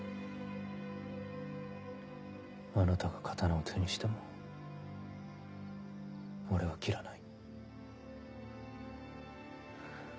あなたが刀を手にしても俺は斬らない。